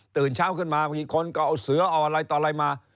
ตื่นเช้าขึ้นมามีคนก็เอาเสือเอาอะไรต่ออะไรมา